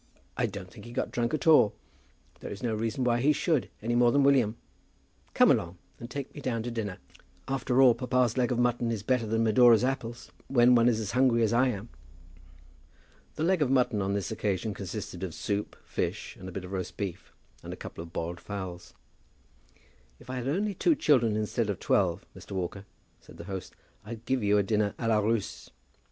"I don't think he got drunk at all. There is no reason why he should, any more than William. Come along, and take me down to dinner. After all, papa's leg of mutton is better than Medora's apples, when one is as hungry as I am." The leg of mutton on this occasion consisted of soup, fish, and a bit of roast beef, and a couple of boiled fowls. "If I had only two children instead of twelve, Mr. Walker," said the host, "I'd give you a dinner à la Russe."